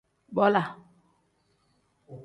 Bola.